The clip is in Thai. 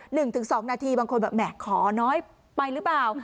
หนึ่งถึงสองนาทีบางคนแบบแหมขอน้อยไปหรือเปล่า